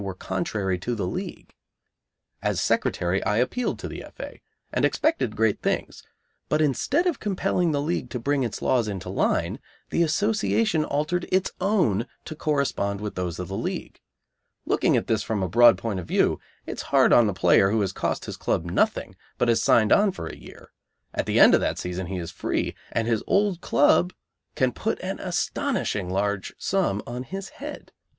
were contrary to the League. As secretary I appealed to the F.A., and expected great things, but instead of compelling the League to bring its laws into line, the Association altered its own to correspond with those of the League. Looking at this from a broad point of view, it is hard on a player who has cost his club nothing, but has signed on for a year. At the end of that season he is free, and his old club can put an astonishing large sum on his head.